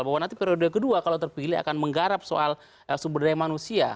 bahwa nanti periode kedua kalau terpilih akan menggarap soal sumber daya manusia